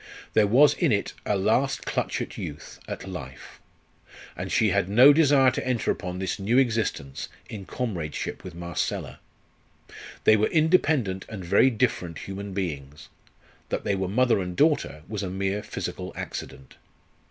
There was in it a last clutch at youth, at life. And she had no desire to enter upon this new existence in comradeship with Marcella. They were independent and very different human beings. That they were mother and daughter was a mere physical accident.